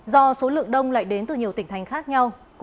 do số lượng đông lại đến từ nhiều tỉnh thành khác nhau